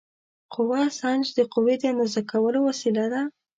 قوه سنج د قوې د اندازه کولو وسیله ده.